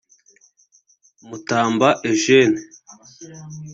Mutamba Eugene